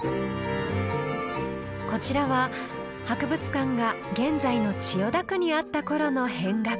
こちらは博物館が現在の千代田区にあったころの扁額。